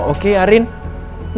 gue ini gak kenapa napa